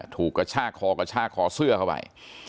ถูกกระชากคอเสื้อเข้าไป